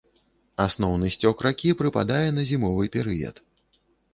Асноўны сцёк ракі прыпадае на зімовы перыяд.